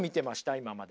今まで。